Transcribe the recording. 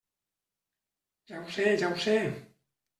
Ja ho sé, ja ho sé.